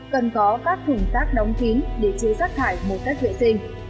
cần có các thủng tác đóng kín để chứa sát thải một cách vệ sinh